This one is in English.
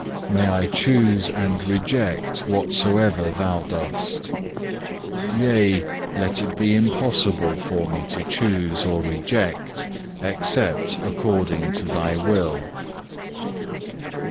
May I choose and reject whatsoever Thou dost; yea, let it be impossible for me to choose or reject except according to Thy will.